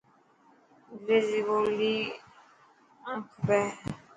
انگريزي ٻولي آڻ کپي.